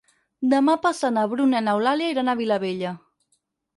Demà passat na Bruna i n'Eulàlia iran a Vilabella.